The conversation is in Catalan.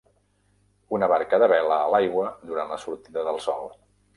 Una barca de vela a l'aigua durant la sortida del sol.